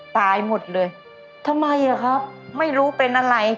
ตายหมดเลยทำไมอ่ะครับไม่รู้เป็นอะไร